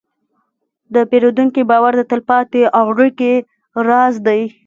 د پیرودونکي باور د تلپاتې اړیکې راز دی.